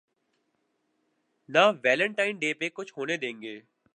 نہ Valentine day پہ کچھ ہونے دیں گے۔